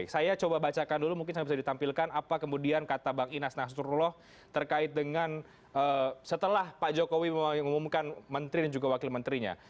saya coba bacakan dulu mungkin sampai bisa ditampilkan apa kemudian kata bang inas nasrullah terkait dengan setelah pak jokowi mengumumkan menteri dan juga wakil menterinya